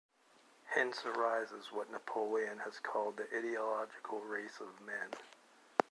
Hence arises what Napoleon has called the ideological race of men.